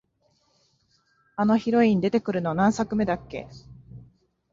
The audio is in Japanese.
あのヒロイン出てくるの、何作目だっけ？